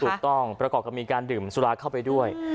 ถูกต้องประกอบกับมีการดื่มสุราค่ะเข้าไปด้วย